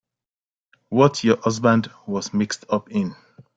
What your husband was mixed up in.